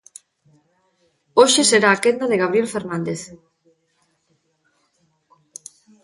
Hoxe será a quenda de Gabriel Fernández.